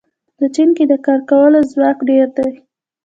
په چین کې د کار کولو ځواک ډېر دی.